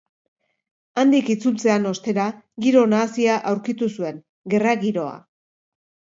Handik itzultzean ostera, giro nahasia aurkitu zuen, gerra giroa.